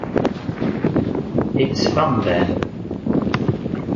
It’s fun then.